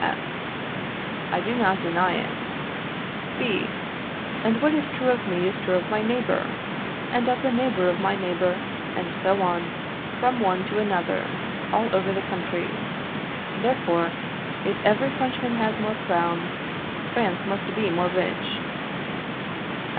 F. I do not deny it. B. And what is true of me is true of my neighbour, and of the neighbour of my neighbour, and so on, from one to another, all over the country. Therefore, if every Frenchman has more crowns, France must be more rich.